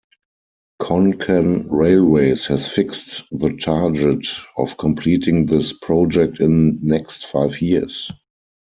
Konkan Railways has fixed the target of completing this project in next five years.